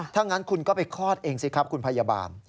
ถ้างั้นคุณก็ไปคลอดเองสิครับคุณพยาบาล